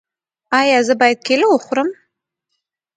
ایا زه باید کیله وخورم؟